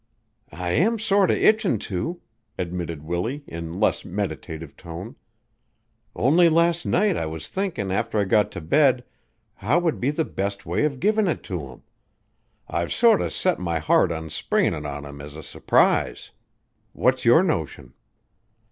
"I am sorter itchin' to," admitted Willie in less meditative tone. "Only last night I was thinkin' after I got to bed how would be the best way of givin' it to him. I've sorter set my heart on springin' it on him as a surprise. What's your notion?"